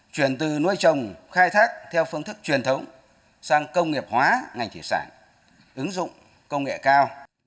chuyển từ nuôi trồng khai thác theo phương thức truyền thống sang công nghiệp hóa ngành thủy sản ứng dụng công nghệ cao